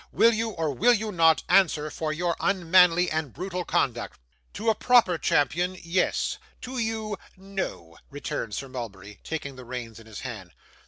Will you or will you not answer for your unmanly and brutal conduct?' 'To a proper champion yes. To you no,' returned Sir Mulberry, taking the reins in his hand.